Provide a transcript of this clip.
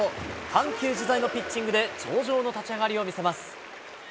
緩急自在のピッチングで、上々の立ち上がりを見せます。